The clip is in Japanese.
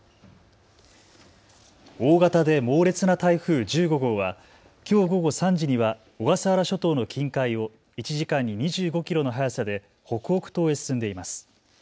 大型で猛烈な台風１５号はきょう午後３時には小笠原諸島の近海を１時間に２５キロの速さで北北東へ進んでいます。